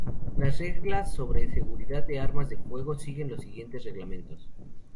Las reglas sobre seguridad de armas de fuego, siguen los siguientes lineamientos.